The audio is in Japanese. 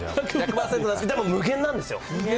１００％、でも無限なんですよ。